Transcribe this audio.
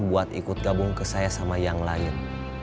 buat ikut gabung ke saya sama yang lain